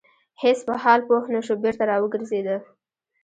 هیڅ په حال پوه نه شو بېرته را وګرځيده.